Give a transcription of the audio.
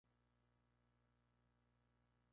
Su contenido estaba destinada a mujeres.